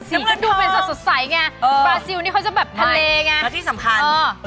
มันก็ดูเป็นสดใสไงบราซิลนี่เขาจะแบบทะเลไงแล้วที่สำคัญ